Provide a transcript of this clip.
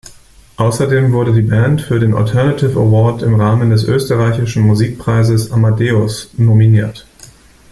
Außerdem wurde die Band für den Alternative-Award im Rahmen des österreichischen Musikpreises „Amadeus“ nominiert.